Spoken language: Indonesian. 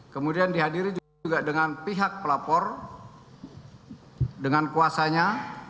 kemudian dihadiri juga dengan pihak pelapor dengan kuasanya